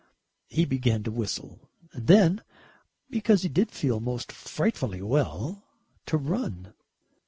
He began to whistle, and then because he did feel most frightfully well to run.